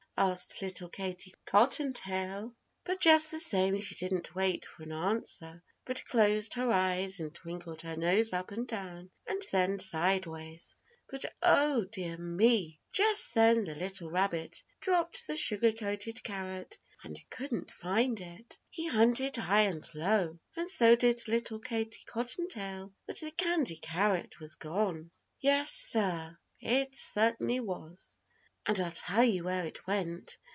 asked little Katie Cottontail, but just the same she didn't wait for an answer, but closed her eyes and twinkled her nose up and down, and then sideways. But, Oh dear me. Just then the little rabbit dropped the sugar coated carrot and couldn't find it. He hunted high and low, and so did little Katie Cottontail, but the candy carrot was gone. Yes, sir. It certainly was. And I'll tell you where it went.